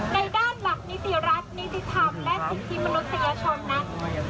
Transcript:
ในด้านหลักนิติรัฐนิติธรรมและสิทธิมนุษยชนนั้น